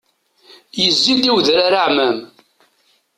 Yezzi-d i wedrar aɛmam.